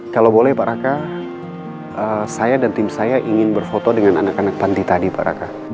kalau boleh pak raka saya dan tim saya ingin berfoto dengan anak anak panti tadi pak raka